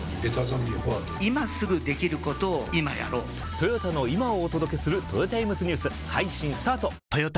トヨタの今をお届けするトヨタイムズニュース配信スタート！！！